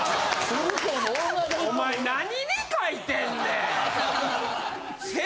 お前何に書いてんねん。